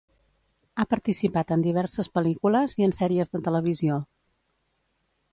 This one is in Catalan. Ha participat en diverses pel·lícules i en sèries de televisió.